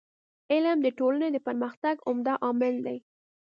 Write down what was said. علم د ټولني د پرمختګ عمده عامل دی.